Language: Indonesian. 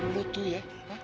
lu tuh ya